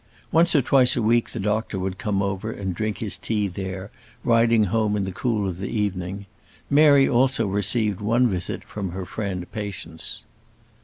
Once or twice a week the doctor would come over and drink his tea there, riding home in the cool of the evening. Mary also received one visit from her friend Patience.